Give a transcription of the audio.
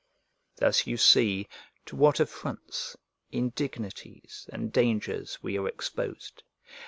Thus you see to what affronts, indignities, and dangers we are exposed.